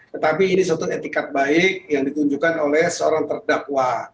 tetapi ini suatu etikat baik yang ditunjukkan oleh seorang terdakwa